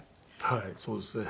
はいそうですね。